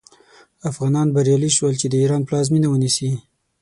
افغانان بریالي شول چې د ایران پلازمینه ونیسي.